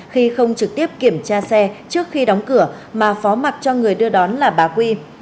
khi không trực tiếp kiểm tra xe trước khi đóng cửa mà phó mặt cho người đưa đón là bà quy